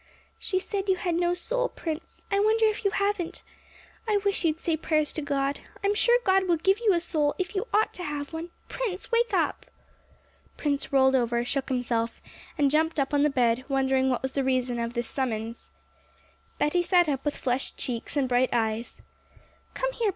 'She said you had no soul, Prince; I wonder if you haven't! I wish you'd say prayers to God; I'm sure God will give you a soul, if you ought to have one! Prince, wake up!' Prince rolled over, shook himself, and jumped up on the bed, wondering what was the reason of this summons. Betty sat up with flushed cheeks and bright eyes. 'Come here.